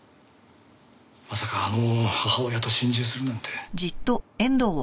まさかあの母親と心中するなんて。